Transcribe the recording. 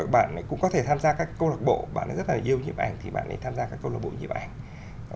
bạn ấy cũng có thể tham gia các câu lạc bộ bạn ấy rất là yêu nhịp ảnh thì bạn ấy tham gia các câu lạc bộ nhịp ảnh